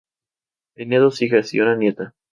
Tenía dos hijas y una nieta.